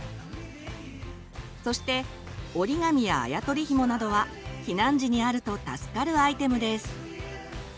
そして折り紙やあや取りひもなどは避難時にあると助かるアイテムです。